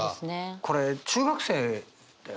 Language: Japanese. これ中学生だよね？